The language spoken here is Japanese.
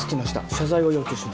謝罪を要求します。